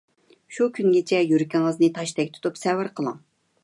شۇ كۈنگىچە يۈرىكىڭىزنى تاشتەك تۇتۇپ سەۋر قىلىڭ!